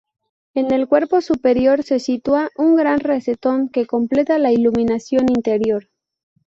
En el cuerpo superior se sitúa un gran rosetón, que completa la iluminación interior.